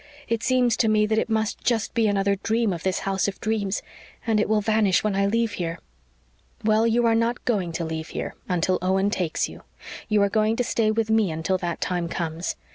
It seems to me that it must just be another dream of this house of dreams and it will vanish when I leave here." "Well, you are not going to leave here until Owen takes you. You are going to stay with me until that times comes.